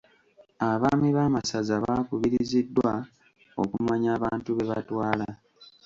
Abaami b'amasaza baakubiriziddwa okumanya abantu be batwala.